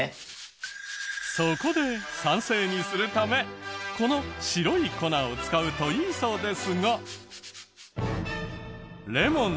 そこで酸性にするためこの白い粉を使うといいそうですが。